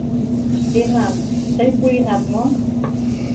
Шкенан, тый пуэнат мо?